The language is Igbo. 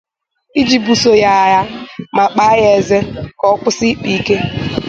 iji buso ya agha ma kpàá ya eze ka ọ kwụsị ịkpa ike.